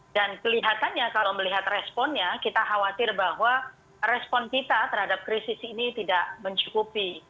dan kelihatannya kalau melihat responnya kita khawatir bahwa respon kita terhadap krisis ini tidak mencukupi